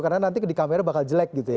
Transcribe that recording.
karena nanti di kamera bakal jelek gitu ya